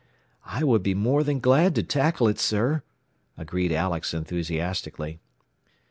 "I would be more than glad to tackle it, sir," agreed Alex enthusiastically.